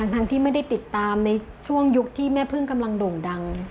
ทั้งที่ไม่ได้ติดตามในช่วงยุคที่แม่พึ่งกำลังโด่งดัง